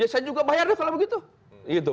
saya juga bayarnya kalau begitu